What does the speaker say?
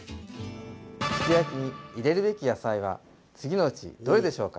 すき焼きに入れるべき野菜は次のうちどれでしょうか？